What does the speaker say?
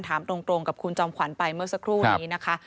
ถามตรงกับคุณจอมขวัญไปเมื่อสักครู่นี้นะคะ